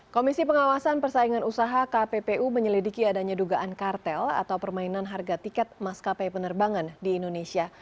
komisi pengawasan persaingan usaha kppu menyelidiki adanya dugaan kartel atau permainan harga tiket maskapai penerbangan di indonesia